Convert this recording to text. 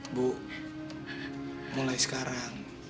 ibu mulai sekarang